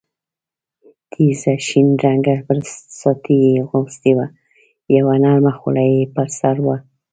تېزه شین رنګه برساتۍ یې اغوستې وه، یوه نرمه خولۍ یې پر سر وه.